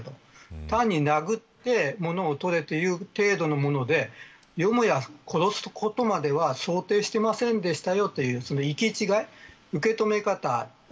単に殴って物をとれという程度のものでよもや殺すことまでは想定していませんでしたよ